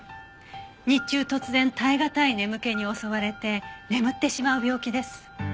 日中突然耐え難い眠気に襲われて眠ってしまう病気です。